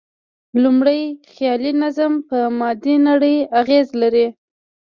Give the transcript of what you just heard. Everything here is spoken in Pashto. لومړی، خیالي نظم په مادي نړۍ اغېز لري.